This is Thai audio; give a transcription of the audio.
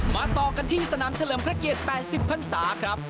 ต่อกันที่สนามเฉลิมพระเกียรติ๘๐พันศาครับ